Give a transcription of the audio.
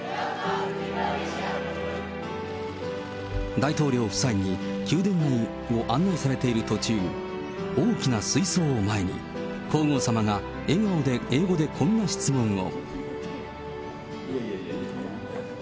大統領夫妻に宮殿内を案内されている途中、大きな水槽を前に、皇后さまが笑顔で英語でこんな質問を。